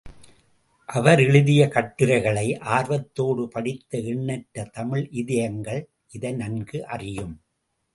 அவர் எழுதிய கட்டுரைகளை ஆர்வத்தோடு படித்த எண்ணற்ற தமிழ் இதயங்கள் இதை நன்கு அறியும்.